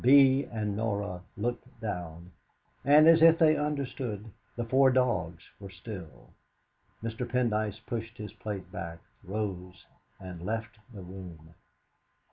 Bee and Norah looked down, and, as if they understood, the four dogs were still. Mr. Pendyce pushed his plate back, rose, and left the room.